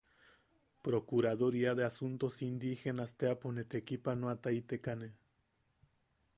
Procuraduría de asuntos indígenas teapo ne tekipanoataitekane.